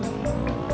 sekarang gue backstage